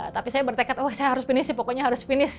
tapi saya bertekad oh saya harus finish pokoknya harus finish